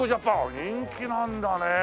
人気なんだね。